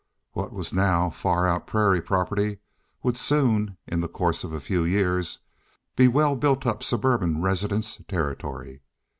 What was now far out prairie property would soon, in the course of a few years, be well built up suburban residence territory.